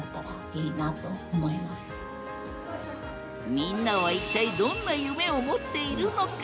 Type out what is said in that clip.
みんなは一体どんな夢を持っているのか？